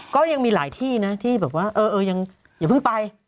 ก็ยังมีหลายที่นะที่แบบว่าเออยังอย่าเพิ่งไป